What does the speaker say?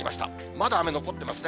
まだ雨残ってますね。